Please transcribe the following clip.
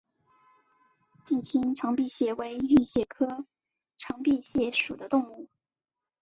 近亲长臂蟹为玉蟹科长臂蟹属的动物。